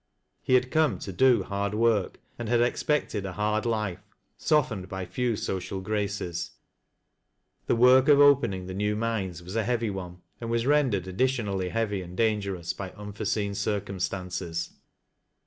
He had come to do hard work, and had expected a hard life, softened by few social graces. The work of opening the new mines was a heavy one, and was rendered additionally hea\y and dangerous by unforeseen circumstances.